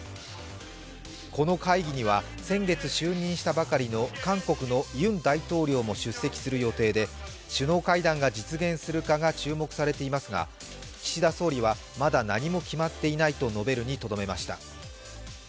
この会議には、先月就任したばかりの韓国のユン大統領も出席する予定で首脳会談が実現するかが注目されていますが、岸田総理は、まだ何も決まっていないと述べるにとどめました。